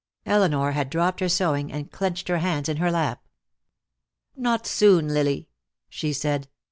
Elinor had dropped her sewing and clenched her hands in her lap. "Not soon, Lily!" she said.